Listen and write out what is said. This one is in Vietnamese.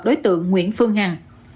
đối tượng nguyễn phương hằng